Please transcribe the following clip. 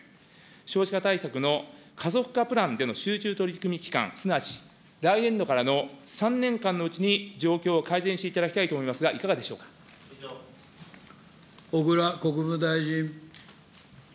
少子化対策の加速化プランでの集中取り組み期間、すなわち来年度からの３年間のうちに状況を改善していただきたいと思いますが、小倉国務大臣。